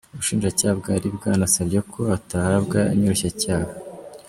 Ubushinjacyaha bwari bwanasabye ko atahabwa inyoroshyacyaha.